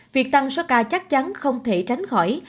việc tăng số ca chắc chắn không thể tránh khỏi